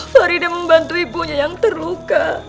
farida membantu ibunya yang terluka